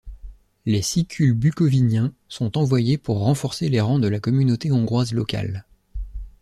Les Sicules bucoviniens sont envoyés pour renforcer les rangs de la communauté hongroise locale.